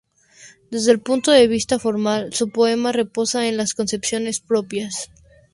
Desde el punto de vista formal, su poema reposa en las concepciones propias.